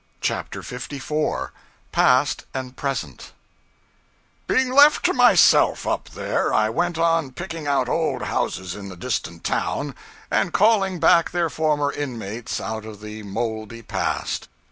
CHAPTER 54 Past and Present Being left to myself, up there, I went on picking out old houses in the distant town, and calling back their former inmates out of the moldy past.